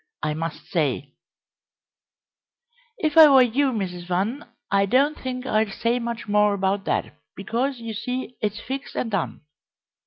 I must say " "If I were you, Mrs. Van, I don't think I'd say much more about that, because, you see, it's fixed and done.